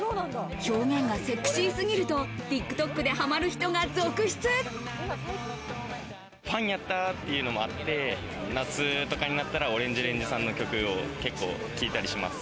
表現がセクシーすぎると、ＴｉｋＴｏｋでファンやったっていうのもあって、夏とかになったら、ＯＲＡＮＧＥＲＡＮＧＥさんの曲を結構聞いたりします。